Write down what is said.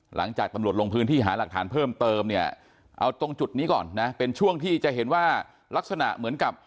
หลังจากตำรวจลงพื้นที่หาหลักฐานเพิ่มเติมเนี่ยเอาตรงจุดนี้ก่อนนะเป็นช่วงที่จะเห็นว่าลักษณะเหมือนกับ